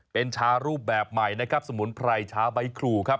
เป็นชารูปแบบใหม่นะครับสมุนไพรชาใบครูครับ